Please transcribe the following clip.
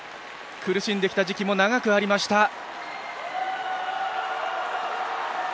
苦しんできた時期も長くありました。